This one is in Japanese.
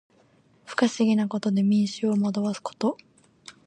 不可思議なことで民衆を惑わすこと。